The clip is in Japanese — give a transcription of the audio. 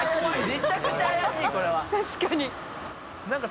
めちゃくちゃ怪しいこれは確かに